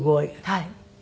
はい。